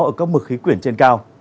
ở các mực khí quyển trên cao